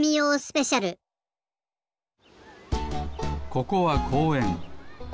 ここはこうえん。